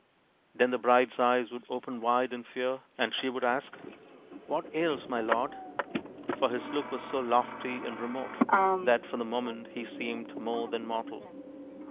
" Then the bride's eyes would open wide in fear, and she would ask, " What ails my lord ?" for his look was so lofty and remote that for the moment he seemed more than mortal.